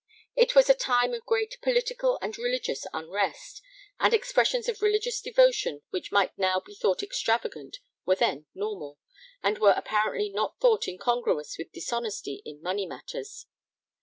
It was a time of great political and religious unrest, and expressions of religious devotion which might now be thought extravagant were then normal, and were apparently not thought incongruous with dishonesty in money matters.